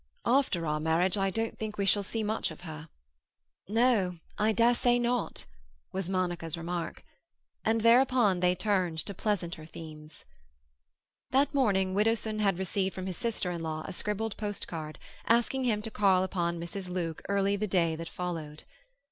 After our marriage I don't think we shall see much of her—" "No, I dare say not," was Monica's remark. And thereupon they turned to pleasanter themes. That morning Widdowson had received from his sister in law a scribbled post card, asking him to call upon Mrs. Luke early the day that followed.